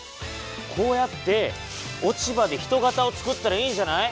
こうやって落ち葉で人型をつくったらいいんじゃない？